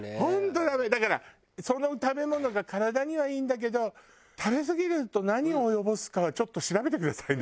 だからその食べ物が体にはいいんだけど食べすぎると何を及ぼすかはちょっと調べてくださいね